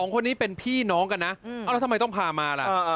คนนี้เป็นพี่น้องกันนะแล้วทำไมต้องพามาล่ะ